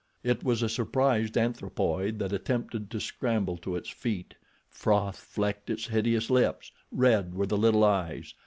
It was a surprised anthropoid that attempted to scramble to its feet. Froth flecked its hideous lips. Red were the little eyes.